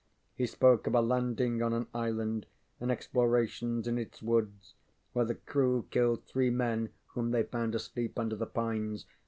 He spoke of a landing on an island and explorations in its woods, where the crew killed three men whom they found asleep under the pines.